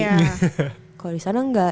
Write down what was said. kalau di sana enggak